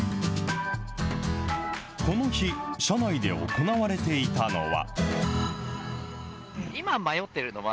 この日、社内で行われていたのは。